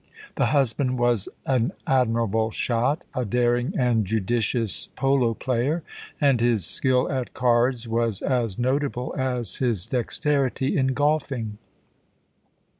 The husband was an admirable shot, a daring and judicious polo player, and his skill at cards was as notable as his dexterity in golfing.